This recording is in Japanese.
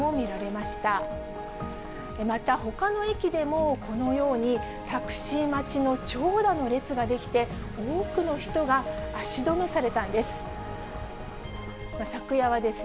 またほかの駅でもこのようにタクシー待ちの長蛇の列が出来て、多くの人が足止めされたんです。